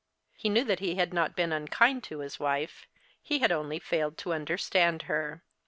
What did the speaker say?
He knew that he had not been unkind to his wife. He had only failed to understand her.